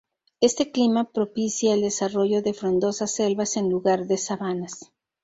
Este clima propicia el desarrollo de frondosas selvas en lugar de sabanas.